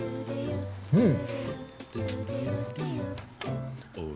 うん。